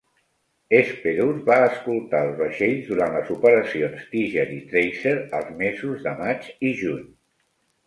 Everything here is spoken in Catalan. "Hesperus" va escoltar els vaixells durant les operacions Tiger i Tracer als mesos de maig i juny.